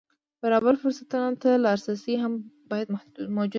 برابر فرصتونو ته لاسرسی هم باید موجود وي.